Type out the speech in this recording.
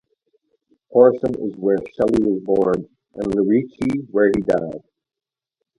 Horsham is where Shelley was born, and Lerici where he died.